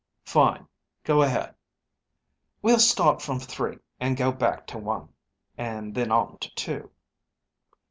"Fine. Go ahead." "We'll start from three, go back to one, and then on to two.